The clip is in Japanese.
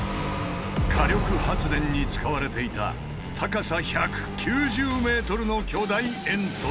火力発電に使われていた高さ１９０ｍの巨大煙突。